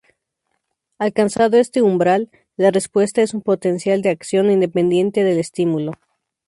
Alcanzado este umbral, la respuesta es un potencial de acción independiente del estímulo.